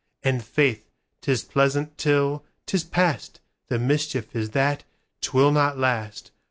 And faith, 'tis pleasant till 'tis past:The mischief is that 'twill not last.